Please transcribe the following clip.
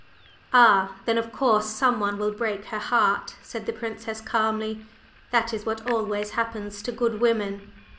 "Ah then, of course some one will break her heart!" said the Princess calmly. "That is what always happens to good women."